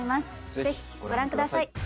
ぜひご覧ください。